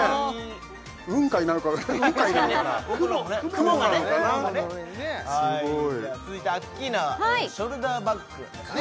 雲なのかなすごい続いてアッキーナはショルダーバッグですね